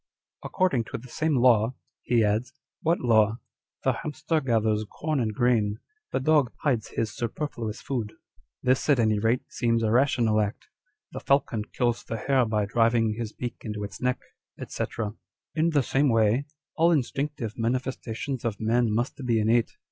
" According to the same law," he adds, [What law ?] 1 Page 59. On Dr. Spurzheims Theory. 197 " the hamster gathers corn and grain, the dog hides his superfluous food" â€" [This at any rate seems a rational act] â€" " the falcon kills the hare by driving his beak into its neck," &c. " In the same way, all instinctive manifestations of man must be innate.